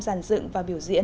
giàn dựng và biểu diễn